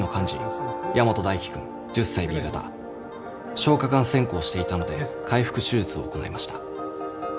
消化管穿孔していたので開腹手術を行いました。